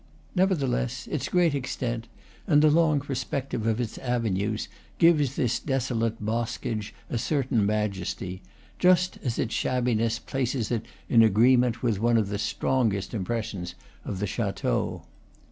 Nevertheless, its great ex tent and the long perspective of its avenues give this desolate boskage a certain majesty; just as its shabbi ness places it in agreement with one of the strongest impressions of the chateau.